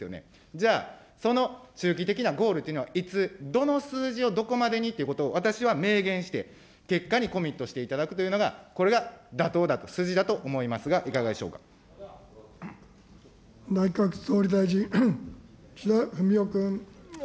じゃあ、その中期的なゴールというのは、いつどの数字をどこまでにということを、私は明言して、結果にコミットしていただくというのが、これが妥当だと、筋だと内閣総理大臣、岸田文雄君。